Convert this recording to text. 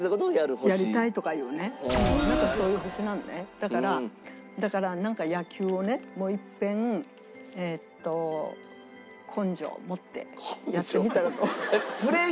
だからだからなんか野球をねもういっぺん根性を持ってやってみたらどう？